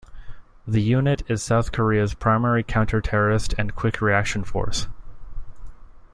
The unit is South Korea's primary counter-terrorist and quick reaction force.